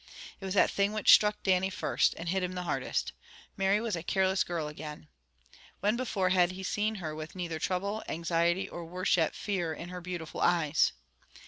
It was that thing which struck Dannie first, and hit him hardest. Mary was a careless girl again. When before had he seen her with neither trouble, anxiety or, worse yet, FEAR, in her beautiful eyes?